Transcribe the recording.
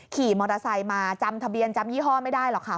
ขี่มอเตอร์ไซค์มาจำทะเบียนจำยี่ห้อไม่ได้หรอกค่ะ